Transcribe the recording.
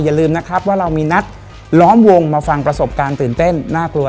อย่าลืมนะครับว่าเรามีนัดล้อมวงมาฟังประสบการณ์ตื่นเต้นน่ากลัว